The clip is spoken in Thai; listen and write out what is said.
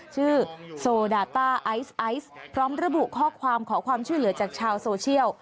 ชื่อโซดาต้าไอซ์ไอซ์พร้อมระบุข้อความขอความช่วยเหลือจากชาวโซเชียล